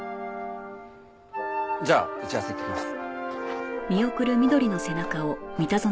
じゃあ打ち合わせ行ってきます。